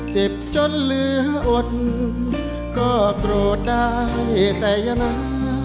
เจ็บจนเหลืออดก็โกรธได้แต่ยนา